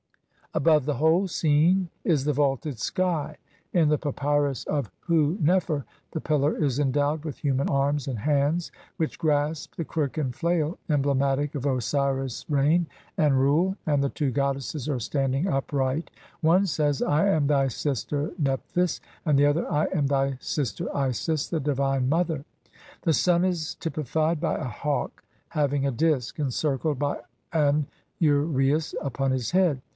Above the whole scene is the vaulted sky. In the Papyrus of Hu nefer * the pillar is endowed with human arms and hands, which grasp the crook and flail, emblematic of Osiris' reign and rule, and the two goddesses are standing upright ; one says : "I am thy sister Nephthys", and the other : "I am thy sister Isis, the divine mother." The sun is typified by a hawk having a disk, encircled by an uraeus, upon his head.